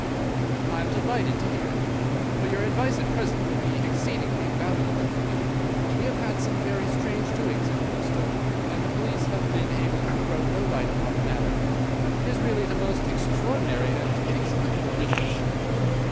"'I am delighted to hear it, for your advice at present would be exceedingly valuable to me. We have had some very strange doings at Hurlstone, and the police have been able to throw no light upon the matter. It is really the most extraordinary and inexplicable business.